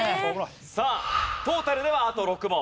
さあトータルではあと６問。